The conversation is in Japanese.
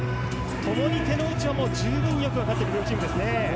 ともに手の内はよく分かってる両チームですね。